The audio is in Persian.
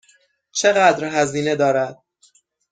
چقدر هزینه دارد؟